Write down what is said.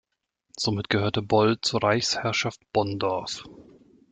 Somit gehörte Boll zur Reichsherrschaft Bonndorf.